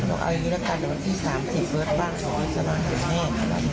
เอาอย่างนี้ละกันวันที่๓๐เบิร์ดบ้างถ้าไม่สำหรับแม่